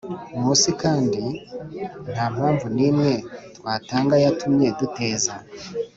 munsi kandi nta mpamvu n imwe twatanga yatumye duteza